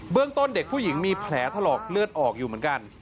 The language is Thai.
ต้นเด็กผู้หญิงมีแผลถลอกเลือดออกอยู่เหมือนกัน